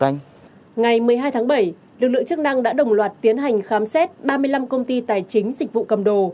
ngày một mươi hai tháng bảy lực lượng chức năng đã đồng loạt tiến hành khám xét ba mươi năm công ty tài chính dịch vụ cầm đồ